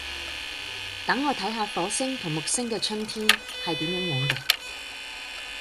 等我睇吓火星同木星嘅春天係點樣樣嘅